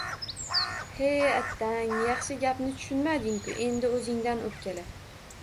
– He, attaaang, yaxshi gapni tushunmading-ku! Endi o‘zingdan o‘pkala!